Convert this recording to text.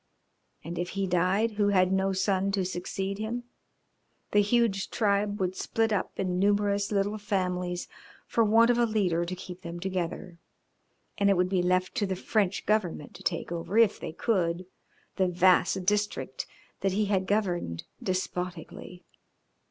And if he died who had no son to succeed him; the huge tribe would split up in numerous little families for want of a leader to keep them together, and it would be left to the French Government to take over, if they could, the vast district that he had governed despotically.